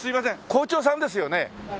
校長さんですよね？